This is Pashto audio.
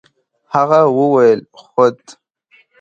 هغه وويل خود.